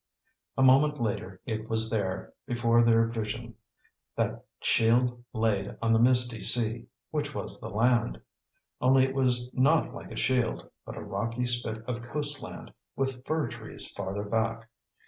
A moment later it was there, before their vision that "shield laid on the misty sea" which was the land. Only it was not like a shield, but a rocky spit of coast land, with fir trees farther back.